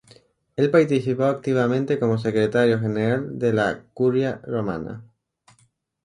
Él participó activamente como secretario general de la Curia Romana.